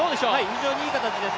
非常にいい形です。